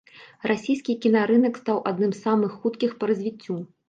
Расійскі кінарынак стаў адным з самых хуткіх па развіццю.